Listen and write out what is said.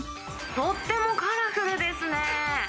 とてもカラフルですね。